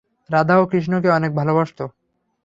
রাধাও কৃষ্ণকে অনেক ভালবাসতো।